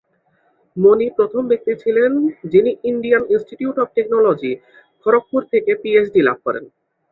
মণি প্রথম ব্যক্তি যিনি Indian Institute of Technology, Kharagpur থেকে পিএইচডি লাভ করেন।